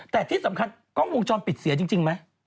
แต่ที่สำคัญกล้องวงจรปิดเสียจริงไหม